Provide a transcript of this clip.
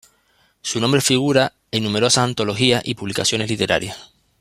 Su nombre figura en numerosas antologías y publicaciones literarias.